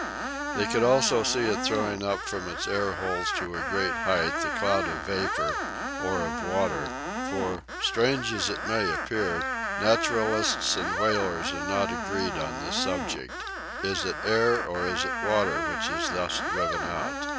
They could also see it throwing up from its air holes to a great height a cloud of vapor, or of water, for, strange as it may appear, naturalists and whalers are not agreed on this subject. Is it air or is it water which is thus driven out?